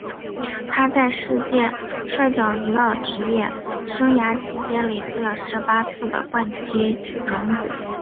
他在世界摔角娱乐职业生涯期间累计了十八次的冠军荣誉。